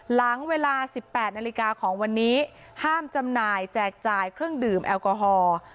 หลังเวลา๑๘นาฬิกาของวันนี้ห้ามจำหน่ายแจกจ่ายเครื่องดื่มแอลกอฮอล์